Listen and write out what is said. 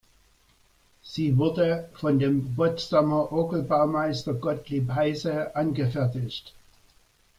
Sie wurde von dem Potsdamer Orgelbaumeister Gottlieb Heise angefertigt.